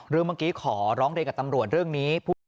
เมื่อกี้ขอร้องเรียนกับตำรวจเรื่องนี้